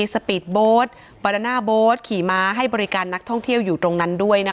สปีดโบสต์บาดาน่าโบ๊ทขี่ม้าให้บริการนักท่องเที่ยวอยู่ตรงนั้นด้วยนะคะ